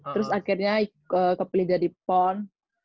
terus akhirnya kepilih jadi pon